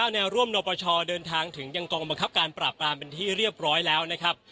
แนวร่วมนปชเดินทางถึงยังกองบังคับการปราบปรามเป็นที่เรียบร้อยแล้วนะครับ